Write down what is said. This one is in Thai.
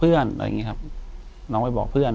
อยู่ที่แม่ศรีวิรัยิลครับ